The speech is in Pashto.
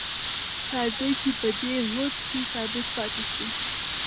راځئ چې په دې هوډ کې ثابت پاتې شو.